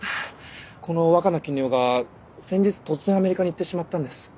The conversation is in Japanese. この若菜絹代が先日突然アメリカに行ってしまったんです。